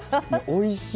おいしい。